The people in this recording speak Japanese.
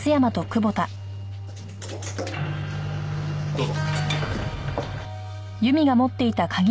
どうぞ。